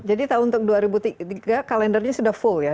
jadi tahun dua ribu tiga kalendernya sudah full ya